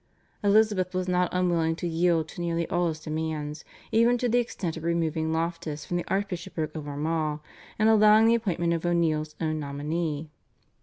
Elizabeth was not unwilling to yield to nearly all his demands, even to the extent of removing Loftus from the Archbishopric of Armagh and allowing the appointment of O'Neill's own nominee.